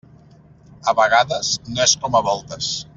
A vegades no és com a voltes.